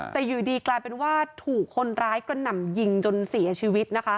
แต่อยู่ดีกลายเป็นว่าถูกคนร้ายกระหน่ำยิงจนเสียชีวิตนะคะ